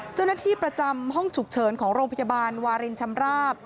เจ้าหน้าที่ประจำห้องฉุกเฉินของโรงพยาบาลวารินชำราบ